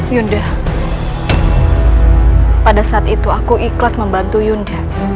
yunda pada saat itu aku ikhlas membantu yunda